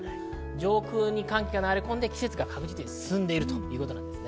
上空に寒気が流れ込んで季節が進んでいるということです。